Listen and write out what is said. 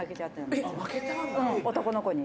「男の子に？」